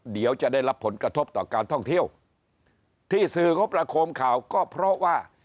เดี๋ยวจะได้รับผลกระทบต่อการท่องเที่ยวที่สื่อเขาประโคมข่าวก็เพราะว่า